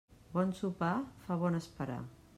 Bon sopar fa bon esperar.